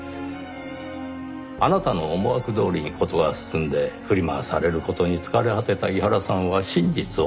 あなたの思惑どおりに事が進んで振り回される事に疲れ果てた井原さんは真実を告白しました。